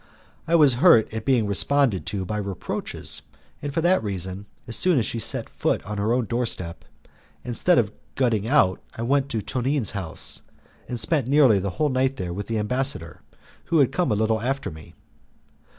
I was hurt at being responded to by reproaches, and for that reason, as soon as she had set foot on her own doorstep, instead of getting out I went to Tonine's house, and spent nearly the whole night there with the ambassador, who came a little after me.